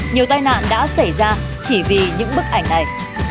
nhiều tai nạn đã xảy ra chỉ vì những bức ảnh này